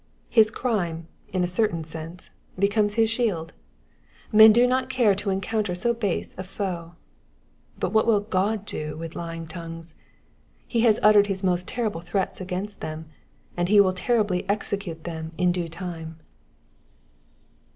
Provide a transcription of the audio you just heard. His crime, in a certain sense, becomes his shield ; men do not care to encounter so base a foe. But what will God do with l^ing tongues? He has uttered his most terrible threats against them, and be will terribly execute them in due time.